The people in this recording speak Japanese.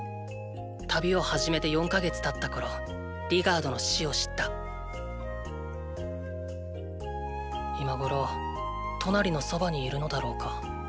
旅を始めて４か月経った頃リガードの死を知った今頃トナリのそばにいるのだろうか。